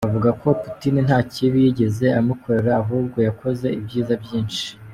Avuga ko ‘Putin nta kibi yigeze amukorera ahubwo yakoze ibyiza byinshi.”